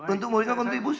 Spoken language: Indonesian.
untuk mereka kontribusi